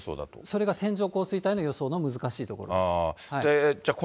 それが線状降水帯の予想の難しいところです。